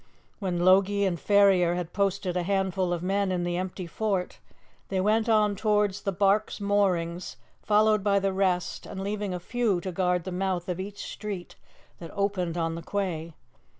When Logie and Ferrier had posted a handful of men in the empty fort, they went on towards the barque's moorings followed by the rest, and leaving a few to guard the mouth of each street that opened on the quay.